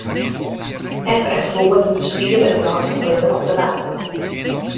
Eb en floed beskiede it deistich libben op de Waadeilannen.